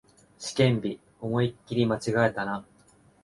試験日、思いっきり間違えたな